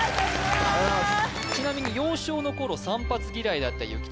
ちなみに幼少の頃散髪嫌いだった諭吉ですが